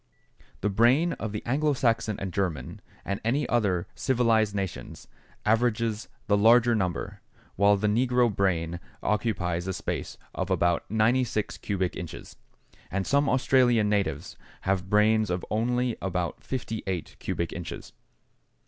The brain of the Anglo Saxon and German, and of other civilized nations, averages the larger number, while the negro brain occupies a space of about 96 cubic inches, and some Australian natives have brains of only about 58 cubic inches.